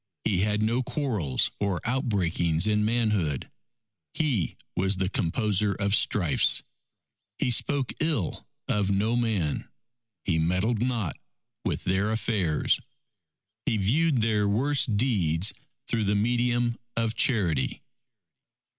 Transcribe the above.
He had no quarrels or outbreakings in manhood. He was the composer of strifes. He spoke ill of no man. He meddled not with their affairs. He viewed their worst deeds through the medium of charity."